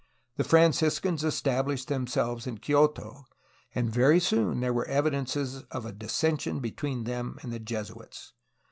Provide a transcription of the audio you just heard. The Franciscans estabUshed themselves in Kyoto, and very soon there were evidences of dissension between them and the Jesuits.